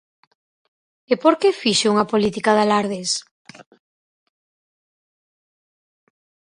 ¿E por que fixo unha política de alardes?